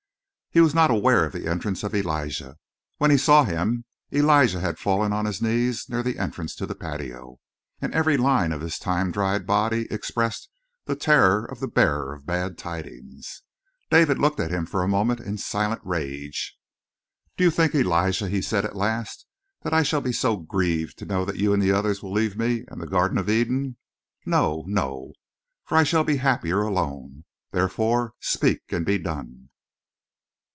He was not aware of the entrance of Elijah. When he saw him, Elijah had fallen on his knees near the entrance to the patio, and every line of his time dried body expressed the terror of the bearer of bad tidings. David looked at him for a moment in silent rage. "Do you think, Elijah," he said at last, "that I shall be so grieved to know that you and the others will leave me and the Garden of Eden? No, no! For I shall be happier alone. Therefore, speak and be done!"